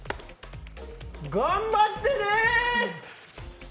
頑張ってねー。